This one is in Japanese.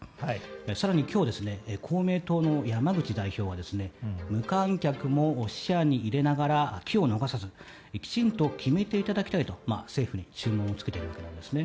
更に今日、公明党の山口代表は無観客も視野に入れながら機を逃さずきちんと決めていただきたいと政府に注文を付けているんです。